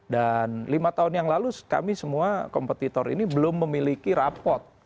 dan lima tahun yang lalu kami semua kompetitor ini belum memiliki rapot